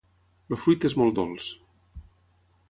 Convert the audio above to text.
El fruit és molt dolç.